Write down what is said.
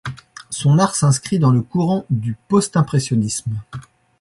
Son art s'inscrit dans le courant du postimpressionnisme.